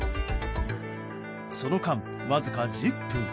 その間、わずか１０分。